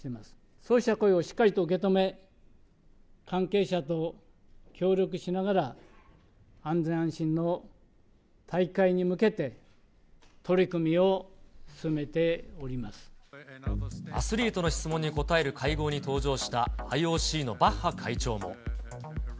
そうした声をしっかりと受け止め、関係者と協力しながら、安全安心の大会に向けて、アスリートの質問に答える会合に登場したＩＯＣのバッハ会長も。